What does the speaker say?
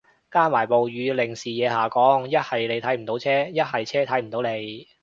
加埋暴雨令視野下降，一係你睇唔到車，一係車睇你唔到